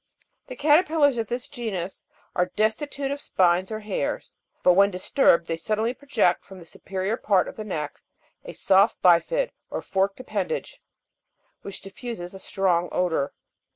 The caterpillars of this genus are destitute of spines or hairs; but when disturbed they suddenly project from the superior part of the neck a soft bifid or forked appendage, which diffuses a strong odour.